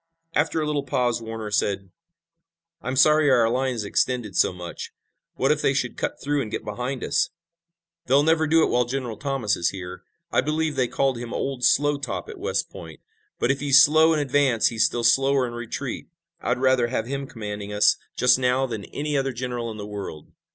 After a little pause Warner said: "I'm sorry our line is extended so much. What if they should cut through and get behind us?" "They'll never do it while General Thomas is here. I believe they called him 'Old Slow Top' at West Point, but if he's slow in advance he's still slower in retreat. I'd rather have him commanding us just now than any other general in the world."